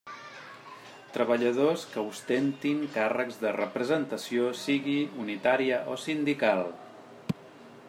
Treballadors que ostentin càrrecs de representació, sigui unitària o sindical.